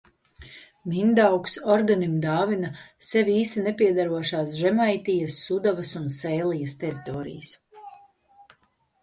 Mindaugs Ordenim dāvina sev īsti nepiederošās Žemaitijas, Sudavas un Sēlijas teritorijas.